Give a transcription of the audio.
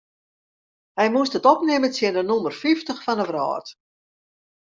Hy moast it opnimme tsjin de nûmer fyftich fan de wrâld.